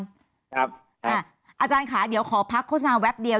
อาจารย์ค่ะเดี๋ยวขอพักโฆษณาแวบเดียว